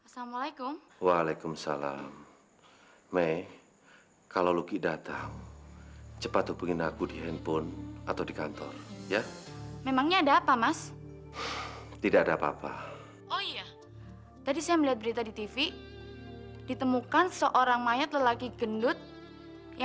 sampai jumpa di video selanjutnya